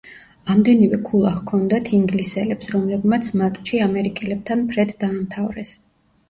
ამდენივე ქულა ჰქონდათ ინგლისელებს, რომლებმაც მატჩი ამერიკელებთან ფრედ დაამთავრეს.